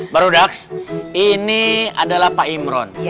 baru daks ini adalah pak imron